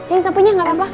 sini sepunya gapapa